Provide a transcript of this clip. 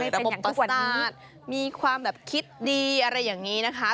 ระบบประสาทมีความแบบคิดดีอะไรอย่างนี้นะคะ